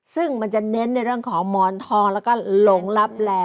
ซึ่งมันจะเน้นในเรื่องของหมอนทองแล้วก็หลงลับแล